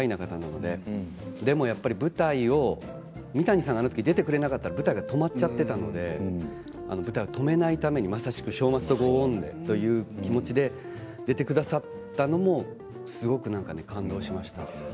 でも舞台三谷さんが、あの時出てくれなかったら舞台が止まってしまっていたので舞台を止めないために、まさしく「ショウ・マスト・ゴー・オン」という気持ちで受けてくださったのも、すごく感動しました。